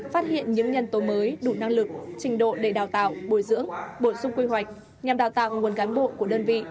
phát hiện những nhân tố mới đủ năng lực trình độ để đào tạo bồi dưỡng bổ sung quy hoạch nhằm đào tạo nguồn cán bộ của đơn vị